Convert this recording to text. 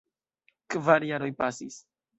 Kvar jaroj pasis.